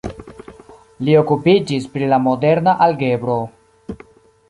Li okupiĝis pri la moderna algebro.